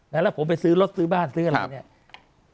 แล้วผมไปซื้อรถซื้อบ้านซื้ออะไรเนี่ย